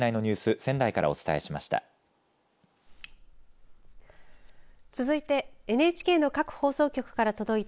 仙台からお伝えしました。